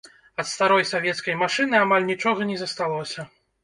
Ад старой савецкай машыны амаль нічога не засталося.